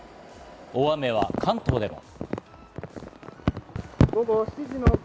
大雨は関東でも。